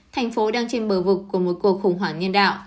thành phố đang trên bờ vực của một cuộc khủng hoảng nhân đạo